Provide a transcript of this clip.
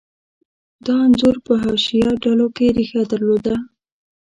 دا انځور په حشویه ډلو کې ریښه درلوده.